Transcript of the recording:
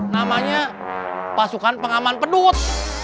namanya pasukan pengaman pedut